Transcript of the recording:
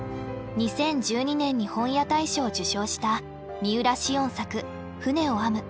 ２０１２年に本屋大賞を受賞した三浦しをん作「舟を編む」。